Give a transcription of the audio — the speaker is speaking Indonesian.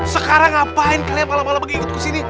sekarang ngapain kalian malah malah mengikut ke sini